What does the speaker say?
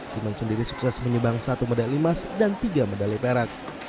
siman sendiri sukses menyebang satu medali emas dan tiga medali perak